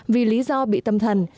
vì lý do bị tâm thần